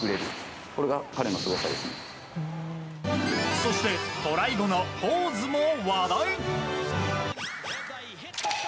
そして、トライ後のポーズも話題。